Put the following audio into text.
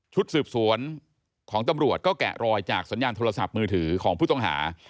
สืบสวนของตำรวจก็แกะรอยจากสัญญาณโทรศัพท์มือถือของผู้ต้องหา